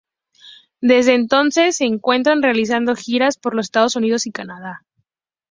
Desde entonces se encuentran realizando giras por los Estados Unidos y Canadá.